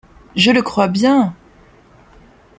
Je le crois bien !…